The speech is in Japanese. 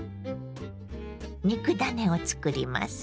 肉ダネをつくります。